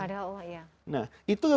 padahal allah ya